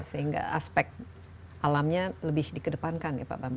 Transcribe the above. sehingga aspek alamnya lebih dikedepankan ya pak bambang